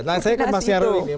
nah saya ke mas yarwi nih